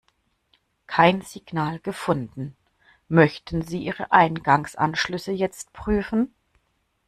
Kein Signal gefunden. Möchten Sie ihre Eingangsanschlüsse jetzt prüfen?